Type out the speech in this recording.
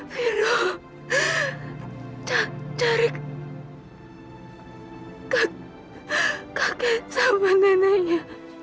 milo cari kakek sama neneknya